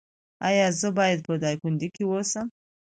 ایا زه باید په دایکندی کې اوسم؟